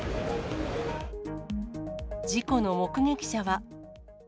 事故の目撃者は。